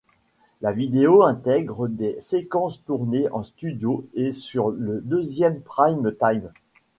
La vidéo intègre des séquences tournées en studio et sur le deuxième prime-time.